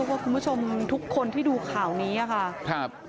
ว่าคุณผู้ชมทุกคนที่ดูข่าวนี้ค่ะ